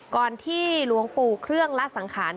ก่อนที่หลวงปู่เครื่องละสังขาร